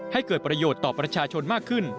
ให้เกิดประโยชน์ต่อประชาชนมากขึ้น